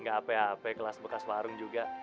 gak apa apa kelas bekas warung juga